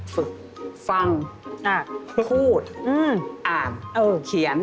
ฝึกฟังพูดอ่านเออเขียน